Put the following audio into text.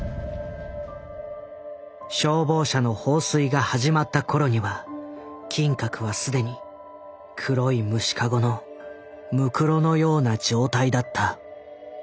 消防車の放水が始まった頃には金閣は既に黒い虫かごのむくろのような状態だった。